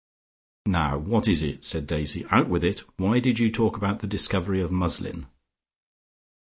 "Now, what is it?" said Daisy. "Out with it. Why did you talk about the discovery of muslin?"